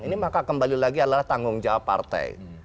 ini maka kembali lagi adalah tanggung jawab partai